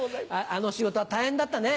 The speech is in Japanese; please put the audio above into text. あの仕事は大変だったね。